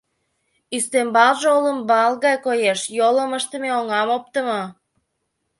Ӱстембалже олымбал гай коеш: йолым ыштыме, оҥам оптымо.